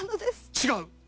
違う！